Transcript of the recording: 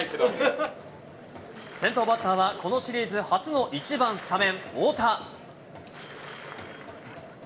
先頭バッターは、このシリーズ初の１番スタメン、太田。